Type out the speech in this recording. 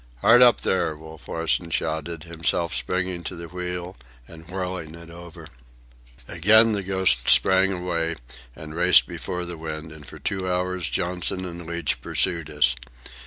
"Hard up, there!" Wolf Larsen shouted, himself springing to the wheel and whirling it over. Again the Ghost sprang away and raced before the wind, and for two hours Johnson and Leach pursued us.